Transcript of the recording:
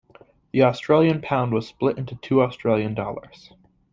The Australian pound was split into two Australian dollars.